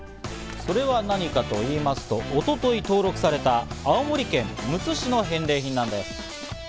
それは何かといいますと、一昨日登録された青森県むつ市の返礼品なんです。